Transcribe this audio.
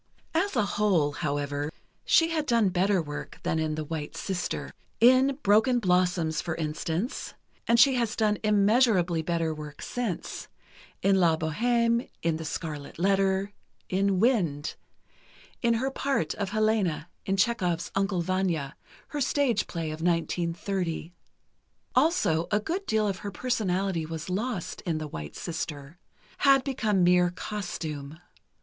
As a whole, however, she had done better work than in "The White Sister." In "Broken Blossoms," for instance—and she has done immeasurably better work since: in "La Bohême," in "The Scarlet Letter," in "Wind," in her part of Helena in Chekhov's "Uncle Vanya," her stage play of 1930. Also, a good deal of her personality was lost in "The White Sister"—had become mere costume.